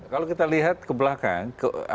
kalau kita lihat ke belakang